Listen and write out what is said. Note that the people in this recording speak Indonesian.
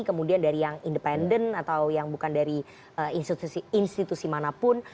kemudian dari yang independen atau yang bukan dari institusi institusi manapun